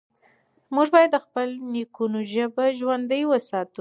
موږ بايد د خپلو نيکونو ژبه ژوندۍ وساتو.